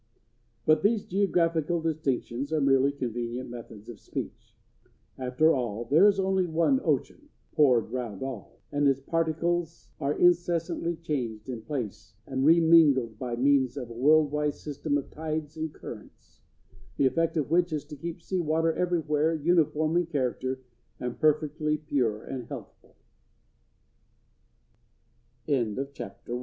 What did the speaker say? ] But these geographical distinctions are merely convenient methods of speech. After all, there is only one ocean "poured round all," and its particles are incessantly changed in place and remingled by means of a world wide system of tides and currents, the effect of which is to keep sea water everywhere uniform in char